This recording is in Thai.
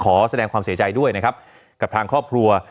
ขอแสดงความเสียใจด้วยนะครับกับทางครอบครัว